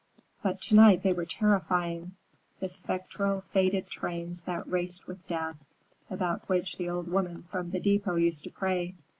But to night they were terrifying,—the spectral, fated trains that "raced with death," about which the old woman from the depot used to pray.